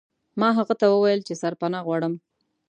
ما هغه ته وویل چې سرپناه غواړم.